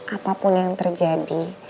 apapun yang terjadi